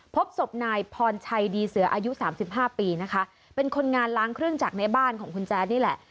พบศพนายพรชัยดีเสืออายุสามสิบห้าปีนะคะเป็นคนงานล้างเครื่องจักรในบ้านของคุณแจ๊ดนี่แหละ